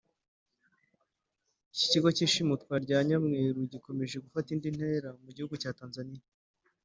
Ikibazo cy’ishimutwa rya ba nyamweru gikomeje gufata indi ntera mu gihugu cya Tanzaniya